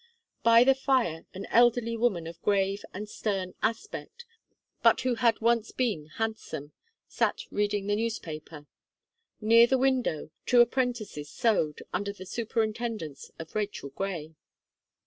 By the fire an elderly woman of grave and stern aspect, but who had once been handsome, sat reading the newspaper. Near the window, two apprentices sewed, under the superintendence of Rachel Gray.